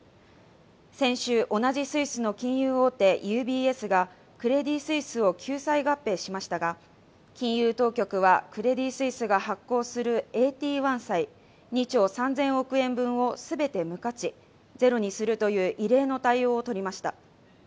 先週、同じスイスの金融大手ＵＢＳがクレディ・スイスを救済合併しましたが、金融当局は、クレディ・スイスが発行するＡＴ１債２兆３０００億円分を全て無価値ゼロにするという異例の対応をとりました。